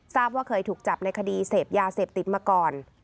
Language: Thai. ทราบว่าเคยถูกจับในคดีเสพยาเสพติดมาก่อน